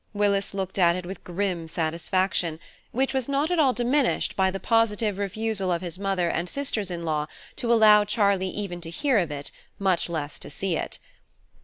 Willis looked at it with a grim satisfaction, which was not at all diminished by the positive refusal of his mother and sisters in law to allow Charlie even to hear of it, much less to see it.